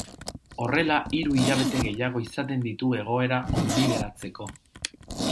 Horrela, hiru hilabete gehiago izaten ditu egoera onbideratzeko.